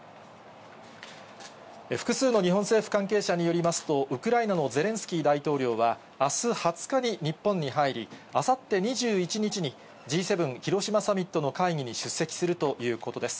複数の日本政府関係者によりますと、ウクライナのゼレンスキー大統領は、あす２０日に日本に入り、あさって２１日に、Ｇ７広島サミットの会議に出席するということです。